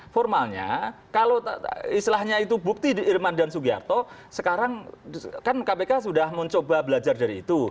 formalnya kalau istilahnya itu bukti irman dan sugiarto sekarang kan kpk sudah mencoba belajar dari itu